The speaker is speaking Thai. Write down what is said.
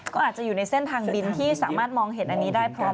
ก็อาจจะอยู่ในเส้นทางบินที่สามารถมองเห็นอันนี้ได้พร้อม